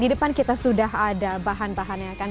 di depan kita sudah ada bahan bahannya kan